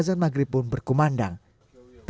tapi meski mereka dengan ber andrew tokarse